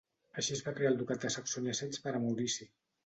Així es va crear el ducat de Saxònia-Zeitz per a Maurici.